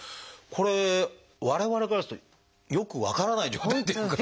これ我々からするとよく分からない状態っていうか。